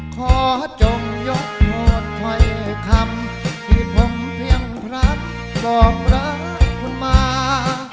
ขอจงยกโทษไทยคำที่ผมเพียงพร้อมรักคุณมา